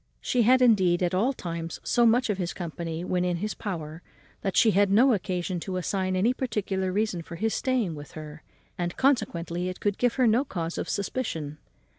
She had, indeed, at all times so much of his company, when in his power, that she had no occasion to assign any particular reason for his staying with her, and consequently it could give her no cause of suspicion.